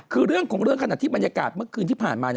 คือเรื่องของเรื่องขณะที่บรรยากาศเมื่อคืนที่ผ่านมา